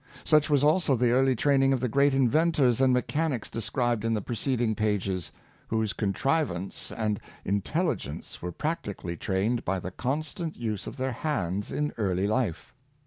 Such was also the early training of the great inventors and mechanics de scribed in the preceding pages, whose contrivance and intelligence were practically trained by the constant use of their hands in early life.